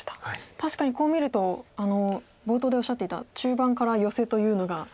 確かにこう見ると冒頭でおっしゃっていた中盤からヨセというのが。